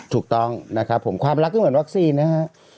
ถูกต้องนะครับผมความรักก็เหมือนวัคซีนนะฮะ